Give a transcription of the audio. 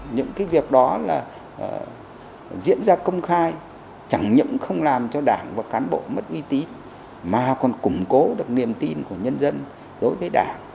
những cái việc đó là diễn ra công khai chẳng những không làm cho đảng và cán bộ mất uy tín mà còn củng cố được niềm tin của nhân dân đối với đảng